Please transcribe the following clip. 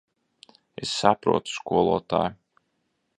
Es saprotu, skolotāj.